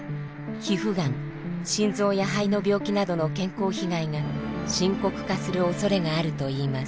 皮膚がん心臓や肺の病気などの健康被害が深刻化するおそれがあるといいます。